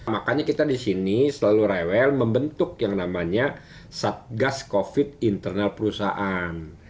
makanya kita di sini selalu rewel membentuk yang namanya satgas covid internal perusahaan